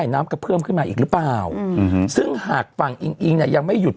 น้ำกระเพิ่มขึ้นมาอีกหรือเปล่าซึ่งหากฝั่งอิงอิงเนี่ยยังไม่หยุด